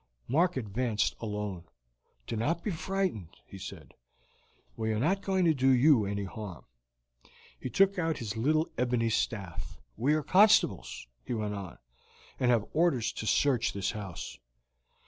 Mark advanced alone. "Do not be frightened," he said; "we are not going to do you any harm." He took out his little ebony staff. "We are constables," he went on, "and have orders to search this house.